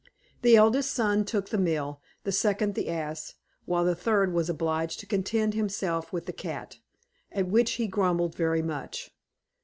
The eldest son took the mill, the second the ass, while the third was obliged to content himself with the cat, at which he grumbled very much.